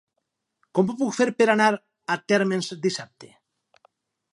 Com ho puc fer per anar a Térmens dissabte?